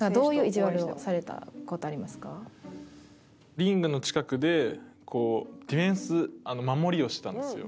リングの近くでディフェンス守りをしてたんですよ。